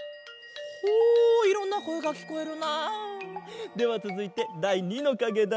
ほういろんなこえがきこえるな。ではつづいてだい２のかげだ。